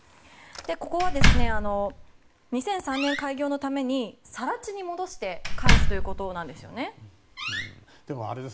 ここは２００３年開業のために更地に戻して返すということなんです。